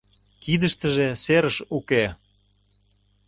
Кидыштыже серыш уке.